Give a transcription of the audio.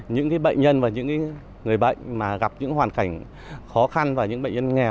những bệnh nhân và những người bệnh mà gặp những hoàn cảnh khó khăn và những bệnh nhân nghèo